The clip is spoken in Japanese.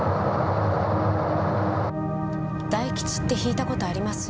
大吉って引いた事あります？